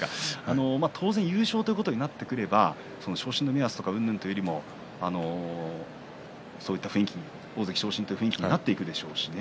当然、優勝ということになってくれば昇進の目安うんぬんということよりも大関昇進という雰囲気になっていくでしょうしね。